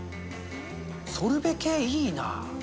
ソルベ系、いいなあ。